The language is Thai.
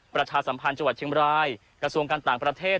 ประชาสัมพันธ์จังหวัดเชียงบรายกระทรวงการต่างประเทศ